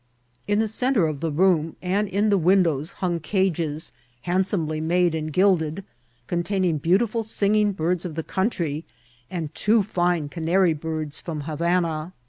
In the centre of the room and in the windows bung cages, handsomely made and gilded, containing beautiful singing birds of the country, and two fine canary bird» from Havana.